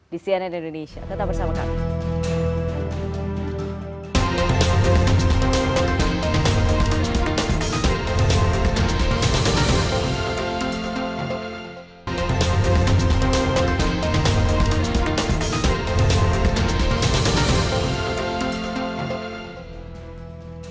di cnn indonesia tetap bersama kami